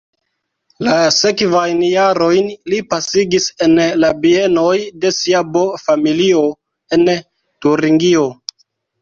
La sekvajn jarojn li pasigis en la bienoj de sia bo-familio en Turingio.